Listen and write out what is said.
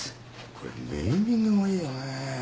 これネーミングもいいよね。